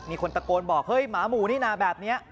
มีคนตะโกนบอกเฮ้ยหมาหมูนี่นะแบบนี้